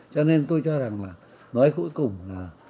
cho nên tôi cho rằng là nói cuối cùng là